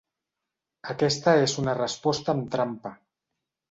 Aquesta és una resposta amb trampa.